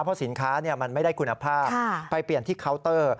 เพราะสินค้ามันไม่ได้คุณภาพไปเปลี่ยนที่เคาน์เตอร์